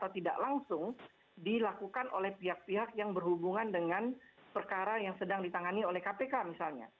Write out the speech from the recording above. tidak langsung dilakukan oleh pihak pihak yang berhubungan dengan perkara yang sedang ditangani oleh kpk misalnya